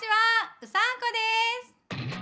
うさんこです！